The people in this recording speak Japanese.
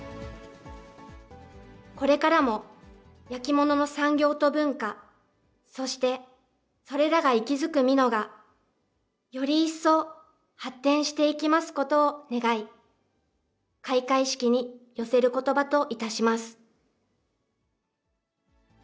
これからも焼き物の産業と文化、そしてそれらが息づく美濃が、より一層発展していきますことを願い、開会式に寄せることばといたします。